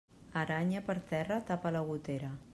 Aranya per terra, tapa la gotera.